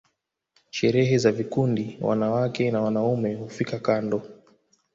sherehe za vikundi wanawake na wanaume hufika kando